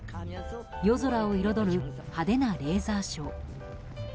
夜空を彩る派手なレーザーショー。